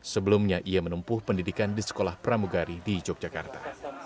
sebelumnya ia menempuh pendidikan di sekolah pramugari di yogyakarta